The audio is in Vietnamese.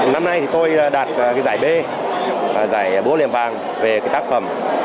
năm nay tôi đạt giải b và giải búa liềm vàng về tác phẩm